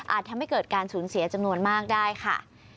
ทำให้เกิดการสูญเสียจำนวนมากได้ค่ะ